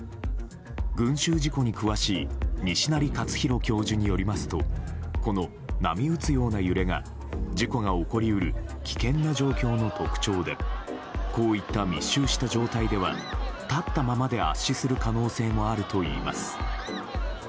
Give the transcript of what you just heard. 群衆事故に詳しい西成活裕教授によりますとこの波打つような揺れが事故が起こり得る危険な状況の特徴でこういった密集した状態では立ったままで圧死する可能性もあるといいます。